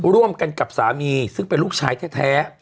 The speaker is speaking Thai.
ร่วมกันกับสามีซึ่งเป็นลูกชายแท้